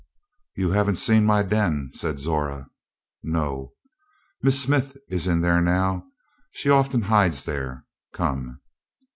"You haven't seen my den," said Zora. "No." "Miss Smith is in there now; she often hides there. Come."